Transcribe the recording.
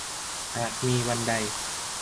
หากมีวันใด